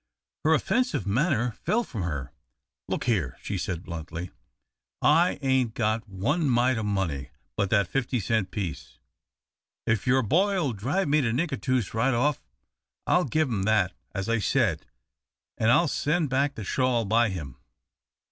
Her offensive manner fell from her. "Look here," she said, bluntly, "I ain't got one mite o' money but that fifty cent piece. If your boy'll drive me to Nicatoos right off, I'll give him that as I said, an' I'll send back the shawl by him.